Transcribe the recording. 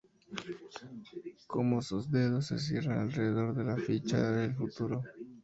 Como sus dedos se cierran alrededor de la ficha, ve el futuro!